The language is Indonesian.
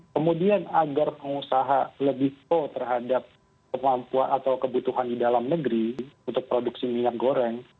kemudian agar pengusaha lebih pro terhadap kemampuan atau kebutuhan di dalam negeri untuk produksi minyak goreng